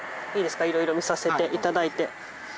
いいですかいろいろ見させていただいて。